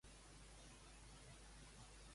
Què en relata l'Odissea?